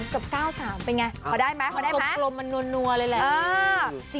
๓๐กับ๙๓เป็นไงเขาได้ไหมคลมมันนัวเลยแหละ